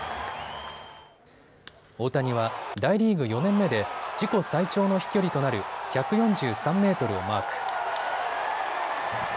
大谷は大リーグ４年目で自己最長の飛距離となる１４３メートルをマーク。